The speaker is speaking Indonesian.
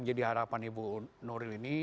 menjadi harapan ibu nuril ini